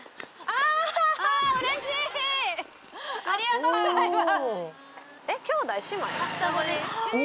ありがとうございます！